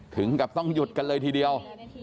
ถึงกับต้องหยุดกันเลยทีเดียว